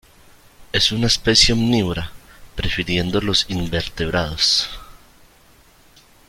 Es una especie omnívora, prefiriendo los invertebrados.